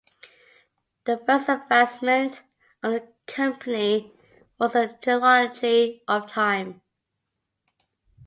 The first advancement of the company was the "Trilogy of Time".